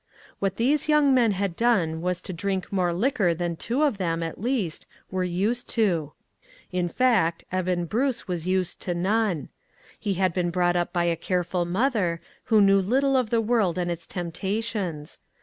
What these young men had done was to drink more liquor than two of them, atr least, were used to. In fact, Eben Bruce was used to none. He had been brought up by a care ful mother, who knew little of the world 142 ONE COMMONPLACE DAY. and its temptations.